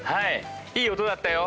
いい音だったよ。